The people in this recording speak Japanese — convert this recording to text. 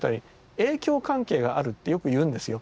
影響関係があるってよく言うんですよ